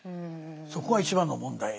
そこが一番の問題ですね。